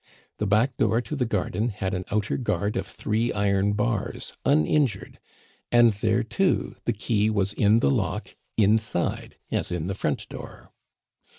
The back door to the garden had an outer guard of three iron bars, uninjured; and there, too, the key was in the lock inside, as in the front door.